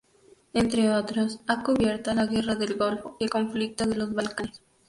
Entre otros, ha cubierto la guerra del Golfo y el conflicto de los Balcanes.